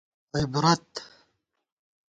عِبرَت